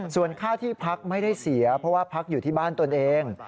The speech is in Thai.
ส่วนค่าที่พักไม่ได้เสียเพราะว่าพักอยู่ที่บ้านตนเอง